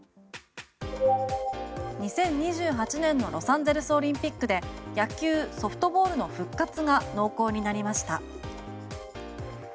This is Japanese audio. ２０２８年のロサンゼルスオリンピックで野球・ソフトボールの復活が濃厚になりました。